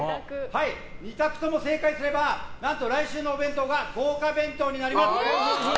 ２択とも正解すれば何と来週のお弁当が豪華弁当になります。